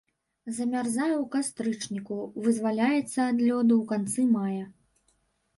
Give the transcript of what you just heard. Замярзае ў кастрычніку, вызваляецца ад лёду ў канцы мая.